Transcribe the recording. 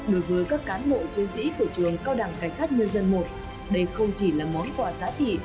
đối với các cán bộ chiến sĩ của trường cao đẳng cảnh sát nhân dân i đây không chỉ là món quà giá trị